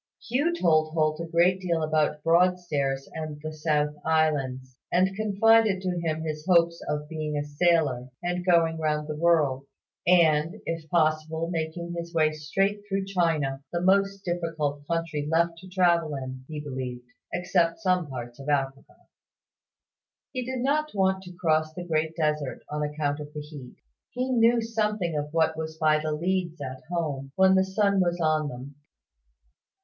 Hugh told Holt a great deal about Broadstairs and the South Sea Islands, and confided to him his own hopes of being a sailor, and going round the world; and, if possible, making his way straight through China, the most difficult country left to travel in, he believed, except some parts of Africa. He did not want to cross the Great Desert, on account of the heat. He knew something of what that was by the leads at home, when the sun was on them.